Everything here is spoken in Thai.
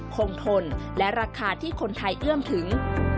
คงทนและราคาที่คนไทยเอื้อมถึง